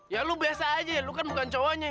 ya lu biasa aja ya lu kan bukan cowoknya